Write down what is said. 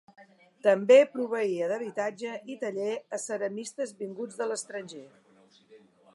També proveïa d'habitatge i taller a ceramistes vinguts de l'estranger.